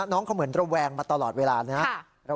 น้องเขาเหมือนระแวงมาตลอดเวลานะครับ